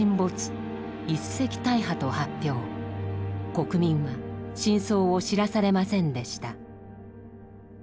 国民は真相を知らされませんでした。